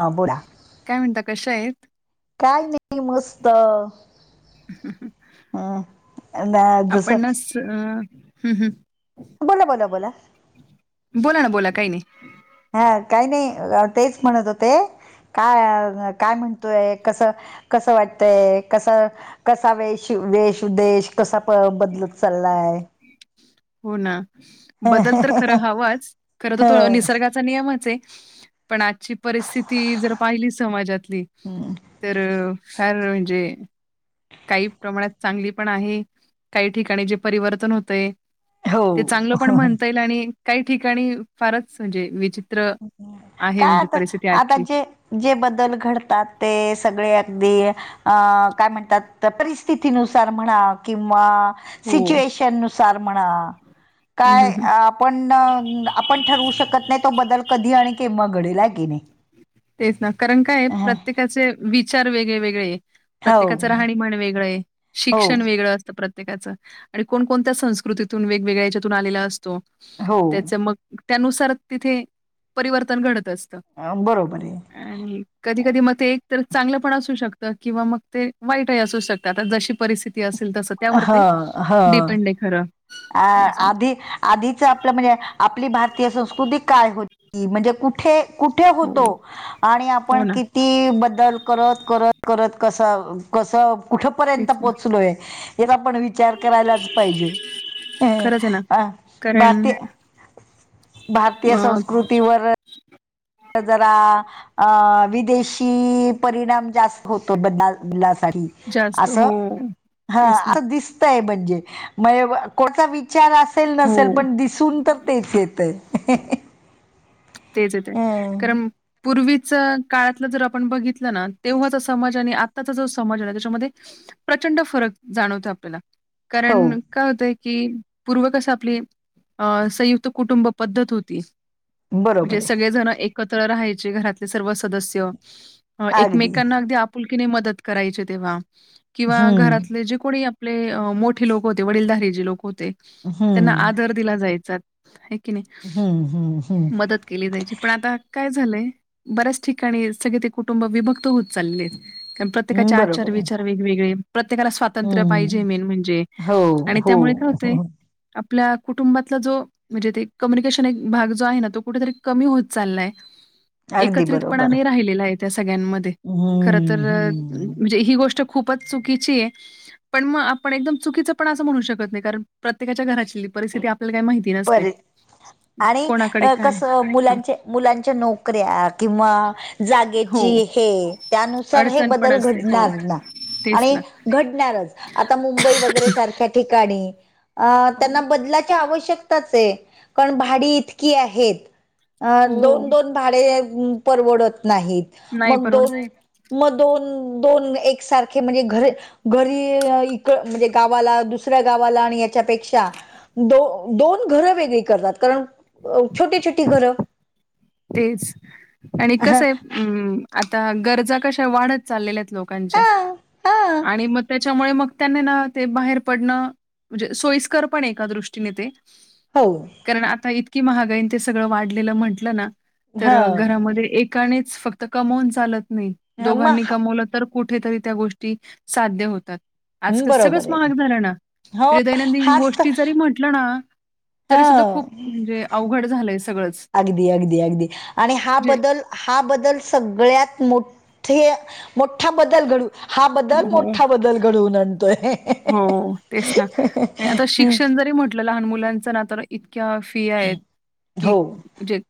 ह बोला काय म्हणता कशा आहेत?. काय नाही मस्त हम्म नाजस अ हम् हम् बोला बोला बोला बोला ना बोला काही नाही हा काही नाही तेच म्हणत होते काय काय म्हणतोय कसं कस वाटतय कस कसा वेश वेश उदेश कसा प बदलत चाललाय हो ना बदल तर खरं हवाच खर तर त हं, निसर्गात नियमच आहे पण आजची परिस्थिती जर पाहिली समाजातली हम् तर फार म्हणजे काही प्रमाणात चांगली पण आहे काही ठिकाणी जे परिवर्तन होतेय हो ते चांगलं पण म्हणता येईल आणि काही ठिकाणी फारच म्हणजे विच काय आता आता जे जे बदल घडतात ते सगळे अगदी अ काय म्हणतात परिस्थितीनुसार म्हणा किंवा हो. सिच्युएशन नुसार म्हणा हं, काय हं, हं. आ पण आपण ठरवू शकत नाही तो बदल कधी आणि केव्हा घडेल हाय की नी. तेच ना कारण काय प्रत्येकाचे विचार वेगळे वेगळे ये प्रत्येकाच हो राहनि मान वेगळं शिक्षण हो वेगळं अस प्रत्येकाचं आणि कोणकोणत्या संस्कृतीतून वेगवेगळ्याच्या यांच्यातून आलेलं अस तो हो त्याच मग त्यानुसार तिथे परिवर्तन घडत असतं. हा बरोबर आहे. आणि कधी कधी मग ते एक तर चांगलं पण असू शकतं किंवा मग ते वाईटही असू शक आता जशी परिस्थिती असेल तस त्यावर ह ते ह डिपेंड आहे खरं आ असं. आधी आधीच आपलं म्हणजे आपली भारतीय संस्कृती काय होती म्हणजे कुठे? कुठे हो, होतो आणि हो आपण ना. की ती बदल करत करत करत कसं कसं कुठ पर्यंत तेच ना. पोहोचलोय हेचा आपण विचार करायलाच पाहिजे. अ खरंच आहे ना. अ कारण भारतीय भारतीय अ, संस्कृतीवर म जरा अ विदेशी परिणाम जास्त होतो ब जास्त अस हो. हा तेच ना. अस दिस त्याय म्हणजे कोणाचा विचार असेल हो. नसेल पण दीस दिसून तर तेच येत आहे. तेज येते कारण पूर्वीच काळातलं जर आपण बघितलं ना तेव्हाचा समाज आणि आताचा जो समाज आहे न त्याच्यामध्ये प्रचंड फरक जाणवतो आपल्याला हो कारण काय होतय की पूर्व कस आपली अ संयुक्त कुटुंब पद्धत होती. बरोबर म्हणजे आहे सगळेजण एकत्र राहायचे घरातले सर्व सदस्य एकमेकांना अगदी आप पुुलकीने मदत करायचे तेव्हा किंवा हम्म घरातले जे कोणी आपले मोठे लोक होते वडीलधारी जे लोक होते त्यांना हम्म आदर दिला जायचात हे की नी. हम्म हम्म मदत केली जायची पण आता काय झालंय? बऱ्याच ठिकाणी सगळे ते कुटुंब विभक्त होत चाललेत हम्म प्रत्येकाचे आचार बरोबर आहे विचार वेगवेगळे प्रत्येकाला स्वातंत्र्य पाहिजे हम्म मेन म्हणजे हो आणि हो त्यामुळे काय होतय हो आपल्या कुटुंबातला जो म्हणजे ते कम्युनिकेशन एक भाग जो आहे न तो कुठरी कमी होत चालाय. अगदी एकत्रितपणा बरोबर नहीं राहिलेला आहे त्या सगळ्यांमध्ये खर तर हम्म हम्म म्हणजे ही गोष्ट खूपच चुकीची आहे. पण मग आपण एकदम चुकीचं पण असं म्हणू शकत नाही कारण प्रत्येकाच्या घराची परिस्थिती आपल्याला काय माहिती ती नसते. परे आणि कोणाकडे काय कसं हां. मुलांचे मुलांच्या नोकऱ्या किंवा हो जागेची हे त्यानुसार हे अडचण पण बदल असते हो घडणार ना. तेच आणि ना घडणारच आता मुंबई वगैरे सारख्या ठिकाणी अ हो त्यांना बदलाच्या आवश्यक तच ये कारण भाडी इतकी आहेत हो दोन दोन भाडे परवडत नाहीत नाही मग परवडत दोन मग दोन दोन एकसारखे म्हणजे घरे घरी इक म्हणजे गावाला दुसऱ्या गावाला आणि याच्यापेक्षा दो दोन घरं वेगळी करतात कारण छोटी छोटी घरं. तेच आणि कस हां, ये आता गरजा कशा वाढत चाललेल्या येत. लोकांच्या हां, हां. आणि मग त्याच्यामुळे मग त्यांनी ना ते बाहेर पडणं म्हणजे सोयीस्कर पण एका दृष्टीने ते. हो कारण आता इतकी महागाईन ते सगळं वाढलेलं म्हटलं ना. तर हां. घरामध्ये एकानेच फक्त कमवून चालत नाही हां. मग दोघांनी हा कमवलं तर. कुठेतरी त्या गोष्टी साध्य होतात आजकाल बरोबर सगळंच आहे. महाग झालं ना हो, दैनंदिन हाच तर गोष्टी जरी म्हटलं ना तरी सुद्धा हां. खूप म्हणजे अवघड झालंय सगळंच अगदी अगदी अगदी आणि हा म्हणजे बदल हा बदल सगळ्यात मोठ्ठे मोठ्ठा बदल घडू हा बदल हो, मोठा बदल घडवून आणतोय हो तेच ना आता हं, शिक्षण जरी म्हटलं लहान मुलांचं ना तर इतक्या फीया आहेत हं. की हो जे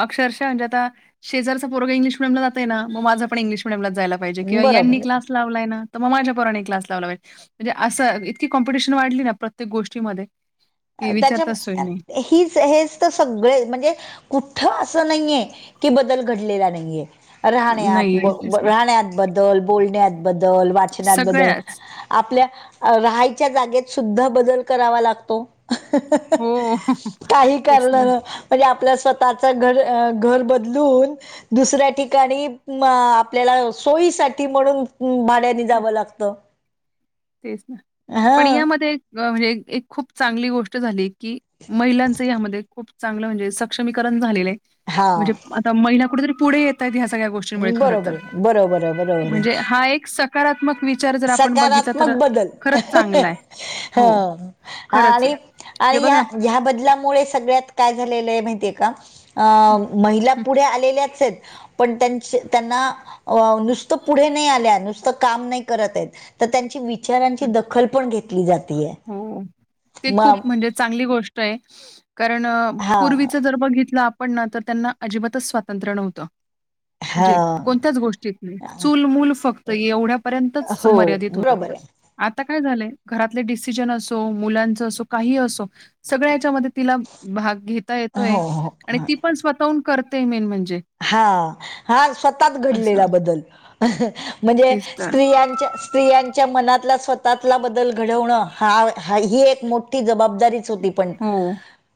अक्षरशा म्हणजे आता शेजलचा म मूगला इंग्लिश मेडिअम जात आहे ना मग मां पणं इंग्लिश मिडयमला जायला किंवा बरोबर आहे. क्लास लावलाय ना तर मग माझ्या पोरानी क्लास लावला पाहिजे म्हणजे असं इतकी कॉम्पिटिशन वाढली ना प्रत्येक गोष्टीमध्ये की त्याच्या विचारताच सोय नाही. हीच हेच तर सगळे म्हणजे कुठ असं नाहीये की बदल घडलेला नाहीये राहण्यात नाहीये. तेच ना. राहण्यात बद्दल बोलण्यात बद्दल वाचण्यात बद्दल सगळ्याच. आपल्या राहायच्या जागेत सुद्धा बदल करावा लागतो हो. काही तेच करणार ना. म्हणजे आपल्या स्वतःच घर घर बदलून दुसऱ्या ठिकाणी अ आपल्याला सोयीसाठी म्हणून भाड्यानी ते जावं लागत तेच ना पण यामध्ये म्हणजे एक खूप चांगली गोष्ट झाली की महिलांच यामध्ये खूप चांगलं म्हणजे सक्षमीकरण झालेलं आहे हां. म्हणजे महिना कुठेतरी पुढे येतात ह्या सगळ्या गोष्टींमुळे खर बरोबर तर आहे. बरोबर आहे, बरोबर आहे. म्हणजे हा एक सकारात्मक विचार जर आपण बघितलं मग बदल हा हो, हा खरंच आणि आहे. हे आणि बघा या ना ह्या बदला सगळ्यात काय झा मातीय का महिला आ हं, पुढे आलेल्याच पण त्यां त्यांना नुसत पुढे नाही आल्या नुसत काम नाही त्यांची विचारांची हं, दखल पण घेत हो ते खूप मग म्हणजे चांगली गोष्ट कारण हा पूर्वी जर बघितलं आ पण ना तर त्यांना अजिबातच स्वातंत्र्य नव्हतं हा म्हणजे कोणत्याच गोष्टीत नाही चूल मूल फक्त एवढ्यापर्यंतच हो मर्यादित होत बरोबर आहे आता काय झालंय घरातले डिसिजन असो मुलांच असो काही असो सगळ्या याच्यामध्ये तिला भाग घेता येतोय हो हो आणि हा. ती पण स्वतःहून करतेय मेन म्हणजे हा हा स्वतःच असं घडलेला बदल म्हणजे तेच तर स्त्रियांच्या स्त्रियांच्या मनातला स्वतःतला बदल घडवणं हा ही एक मोठी जबाबदारी हो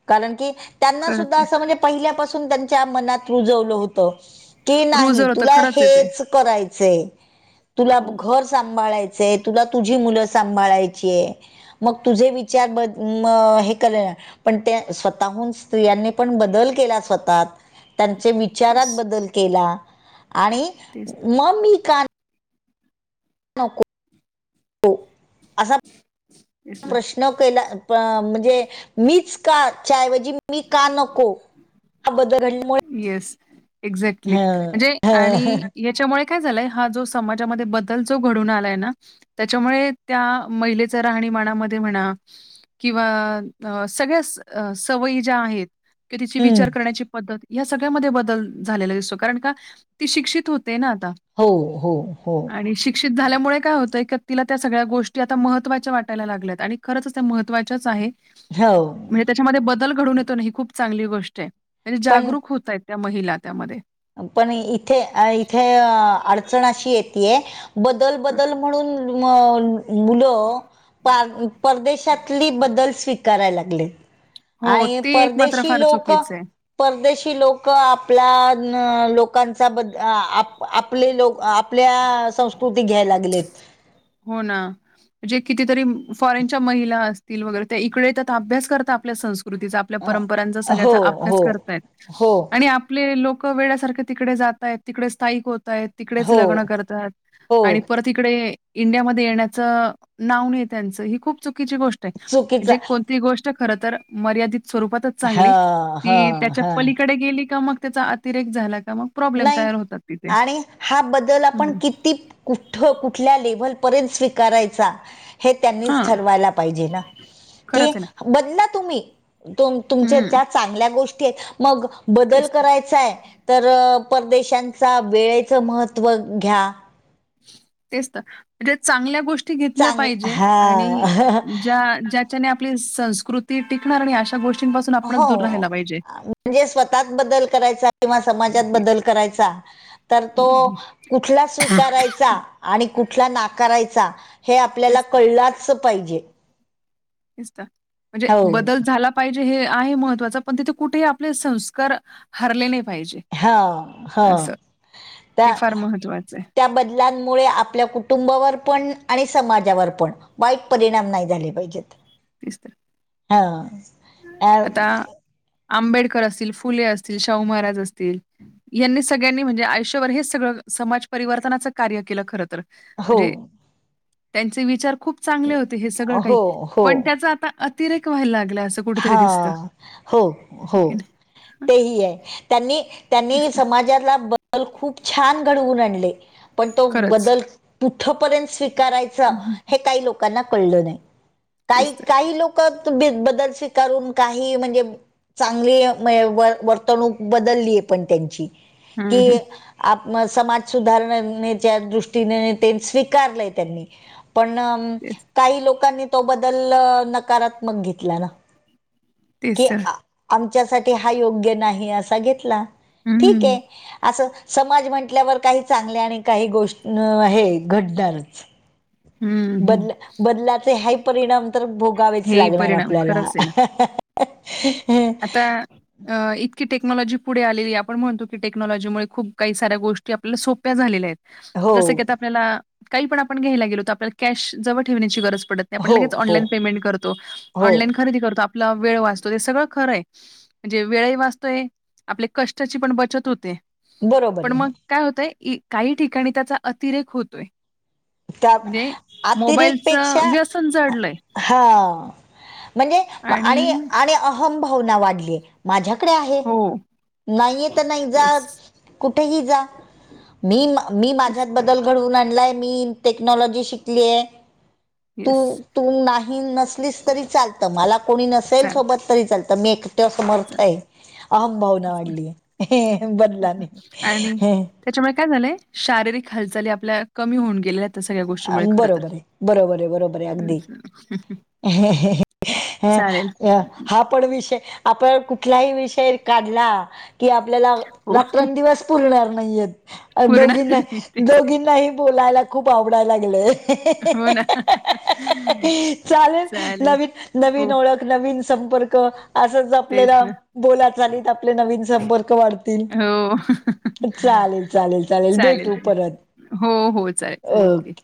कारनंकी त्यांना सुद्धा खरंच आहे असं म्हणेजे पहिल्या पासून त्यां मत के नाही रुजर होतं तुला खरंच आहे ते हेच करायचे तुला हो घर सांभाळायचंय तुला तुझी मुलं सांभाळायचीय मग तुझे विचार ब हे कर पण ते स्वतःहून स्त्रियांनी पण बदल केला स्वतात त्यांचे तेच विचारात बदल केला तेच मग मी का नको असा तेच ना. प्रश्न केला अ प म्हणजे मीच का त्याच्या मी का नको हा बदल घडल्यामुळे येस एक्झॅक्टली ह म्हणजे ह आणि त्याच्यामुळे काय झालाय हा जो समाजामध्ये बदल जो घडून आलाय ना त्याच्यामुळे त्या महिलेचा राहणीमानामध्ये म्हणा किंवा सगळ्या सवयी ज्या आहेत किवा तिची हम्म विचार करण्याची पद्धत या सगळ्यामध्ये बदल झालेला दिसतो कारण का ती शिक्षित होते ना आता हो हो हो आणि शिक्षित झाल्यामुळे काय होतंय तिला त्या सगळ्या गोष्टी आता महत्त्वाच्या वाटायला लागल्यात आणि खरंच त्या महत्त्वाच्याच आहेत हो म्हणजे त्याच्यामध्ये बदल घडून येतो ना ही खूप चांगली गोष्ट आहे म्हणजे पण जागरूक होतय त्या महिला त्यामध्ये पण इथे इथे अडचण अशी येते बदल बदल म्हणून नो नो परदेशातली बदल कराय लागले आणि हो, हे ते एक मात्र परदेशी फार लोक चुकीचं आहे. परदेशी लोक आपला लोकांचा बद्दल आपले लोक आपल्या संस्कृती घ्यायला लागलेत हो ना जे कितीतरी फॉरेनच्या महिला असतील वगैरे त्या इकडे येतात अभ्यास करतात आपल्या संस्कृतीचा आपल्या अ परंपरांचा हो सगळ्याचा अभ्यास हो करताय हो आणि आपले लोक वेळ्यासारखे तिकडे जात आहेत तिकडे स्थायिक होत आहेत तिकडेच हो लग्न करतात हो आणि परत इकडे इंडियामध्ये येण्याचं नाव नाही घ्यायच त्याच ही खूप चुकीची गोष्ट चुकीचा म्हणजे कोणती गोष्ट खर तर मर्यदा स्वरपात आहे चांगली हां ती हां त्याच्या हां पलीकडे गेली का मग त्याचा अतिरेक झाला का मग प्रॉब्लेम नाही तयार होतात तिथे. आणि हा बदल आपण हं, किती कुठ कुठल्या लेव्हलपर्यंत स्वीकारायचा हे त्यांनीच हां. ठरवायला पाहिजे ना की खरंच आहे ना. बदला तुम्ही तुम तुमच्या हं. ज्या चांगल्या गोष्टी आहेत मग बदल तेच तर. करायचाय तर परदेशांचा वेळेचं महत्त्व घ्या तेच तर म्हणे चांगल्या गोष्टी घेतल्या चांगल पाहिजे आणि हां ज्या ज्या आपली संस्कृती टिकणार आणि अशा गोष्टींपासून आपणच हो दूर राहायला पाहिजे म्हणजे स्वतात बदल करायचा किंवा समाजात हं. बदल करायचा तर तो हं. कुठला स्वीकारायचा आणि कुठला नाकारायचा हे आपल्याला तेच तर, कळलाच पाहिजे म्हणजे हो बदल झाला पाहिजे हे आहे महत्त्वाचं पण तिथे कुठेही आपले संस्कार हरले नाही पाहिजे हा हा असं. त्या हे फार महत्वाचं आहे. त्या बदलांमुळे आपल्या कुटुंबावर पण आणि समाजावर पण वाईट परिणाम नाही झाले पाहिजेत तिसतर हा आता आंबेडकर असतील फुले असतील शाहू महाराज असतील यांनी सगळ्यांनी म्हणजे आयुष्यभर हेच सगळं समाज परिवर्तनाचं कार्य केलं खर तर. हो म्हणजे त्यांचे विचार खूप चांगले होते हे सगळं काही हो हो पण त्याच आता अतिरेक व्हायला लागला असं कुठ हा हो हो नाही हं, तेही आहे त्यांनी तेच त्यांनी ना समाजाला बदल खूप छान घडवून आणले पण तो खरंच. बदल कुठ पर्यंत स्वीकारायच हं, हे काही लोकांना कळलं नाही तेच काही तर. काही लोक तर तुम्ही बदल शिक तर वरून काही म्हणजे चांगली वर्तणूक बदलली आहे पण त्यांची. हं, कि हं. आप समाज सुधारणेच्या दृष्टीने ते स्वीकारलंय त्यांनी. पण तेच काही लोकांनी तो बदल नकारात्मक घेतला ना. तेच कि तर. आमच्यासाठी हा योग्य नाही असा घेतला ठीक हं, आहे. असं समाज म्हंटल्यावर काही चांगले आणि काही गोष्ट हे घडणारच. हं, हं. बदल बदलाचे हे परिणाम तर भोगावेच हेही लागणार परिणाम आपल्याला. खरंच आहे ना. हम्म [unintelligible] आता अ इतकी टेक्नॉलॉजी पुढे आलेली आपण म्हणतो की टेक्नॉलॉजी मुळे खूप काही साऱ्या गोष्टी आपल्याला सोप्या झालेल्या आहेत. हो जसं की आता आपल्याला काही पण आपण घ्यायला गेलोत आपल्याला कॅश जवळ ठेवण्याची गरज पडत आपण हो लगेच हो ऑनलाईन पेमेंट करतो हो ऑनलाईन खरेदी करतो आपला वेळ वाचतो ते सगळ खरंय म्हणजे वेळ वाचतोय आपल्या कष्टाची पण बचत होते. बरोबर पण आहे मग काय होतय काही ठिकाणी त्याचा अतिरेक होतोय. त्या म्हणजे मोबाईलचं अतिरेकपेक्षा व्यसन जडलंय हा म्हणजे अ आणि आणि अम भावना वाढली माझ्याकडे आहे हो. नाहीय तर नाही जा येस, कुठेही जा मी मी येस, माझ्यात बदल घडवून आणलाय मी टेक्नॉलॉजी शिकलीय तू येस. तू नाही नसलीस तरी चालतं मला कोणी नसेल चालेल, सोबतरीचालतं मी एक त्यो समर्थ आहे अहम भावना चालेल. वाढली बदलाने. आणि त्याच्यामुळे काय झालंय शारीरिक हालचाली आपल्या कमी होऊन गेलेल्या आहेत. त्या सगळ्या गोष्टीमुळे आमम खर तर. बरोबर आहे बरोबर आहे बरोबर आहे अगदी. हम्म. अ चालेल अ हा पण विषय आपण कुठलाही विषय काढला कि आपल्याला हो. रात्रंदिवस पुरणार नाहीयेत. अ पुरणार दोघींना नाही तेच ना. दोघींनाही बोलायला खूप आवडायला लागलंय. हो ना [unintelligible] चालेल नवीन नवीन हो ओळख नवीन संपर्क. असंच तेच आपल्याला ना बोला चालीत आपले नवीन संपर्क वाढतील. हो. चालेल चालेल चालेल भेटू परत. हो हो चालेल ओके.